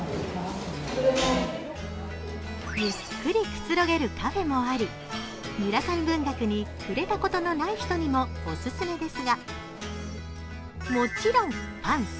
ゆっくりくつろげるカフェもあり村上文学に触れたことのない人にもお勧めですがもちろんファン垂